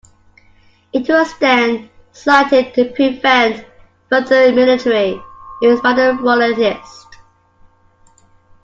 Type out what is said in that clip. It was then slighted to prevent further military use by the Royalists.